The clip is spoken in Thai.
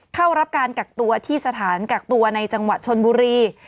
เข้ารับการกักตัวที่สถานกักตัวในจังหวัดชนบุรี